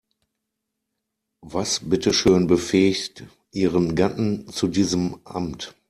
Was bitteschön befähigt ihren Gatten zu diesem Amt?